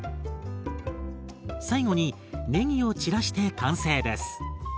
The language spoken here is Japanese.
最後にねぎを散らして完成です。